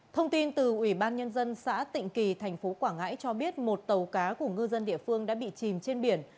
thông tin từ ủy ban nhân dân xã tịnh kỳ tp quảng ngãi cho biết một tàu cá của ngư dân địa phương đã bị chìm trên biển